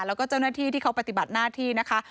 แล้วก็เจ้าหน้าที่ที่เขาปฏิบัติหน้าที่นะคะ